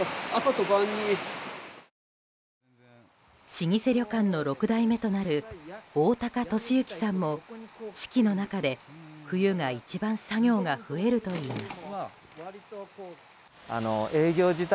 老舗旅館の６代目となる大高要之さんも四季の中で、冬が一番作業が増えるといいます。